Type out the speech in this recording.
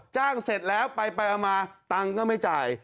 จ้างเสร็จแล้วไปมาตังค์ก็ไม่จ่าย